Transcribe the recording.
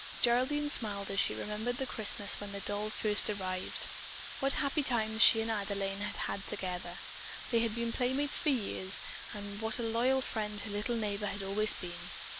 Geraldine smiled as she remembered the Christmas when that doll had first arrived. What happy times she and Adelaine had had together. They had been playmates for years, and what a loyal friend her little neighbor had always been.